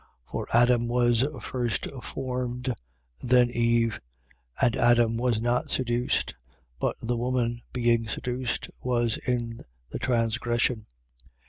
2:13.For Adam was first formed; then Eve. 2:14. And Adam was not seduced; but the woman, being seduced, was in the transgression.